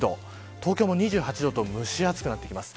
東京も２８度と蒸し暑くなってきます。